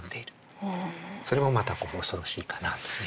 それもまたこう恐ろしいかなとね。